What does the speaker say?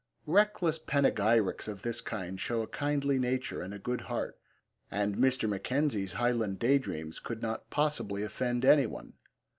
Reckless panegyrics of this kind show a kindly nature and a good heart, and Mr. Mackenzie's Highland Daydreams could not possibly offend any one.